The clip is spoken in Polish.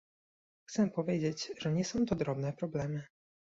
Chcę powiedzieć, że nie są to drobne problemy